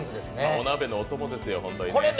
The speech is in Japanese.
お鍋のおともですよ、本当にね。